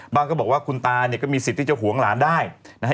ก็บอกว่าคุณตาเนี่ยก็มีสิทธิ์ที่จะห่วงหลานได้นะฮะ